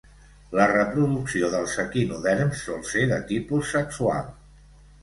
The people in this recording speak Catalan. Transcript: La reproducció dels equinoderms sol ser de tipus sexual.